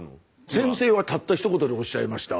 先生はたったひと言でおっしゃいました。